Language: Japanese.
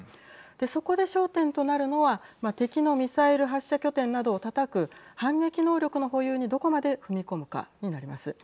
そこで焦点となるのは敵のミサイル発射拠点などをたたく反撃能力の保有にどこまで踏み込むかになります。